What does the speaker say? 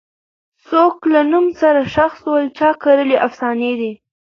څوک له نومه سره ښخ سول چا کرلي افسانې دي